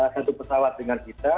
satu pesawat dengan kita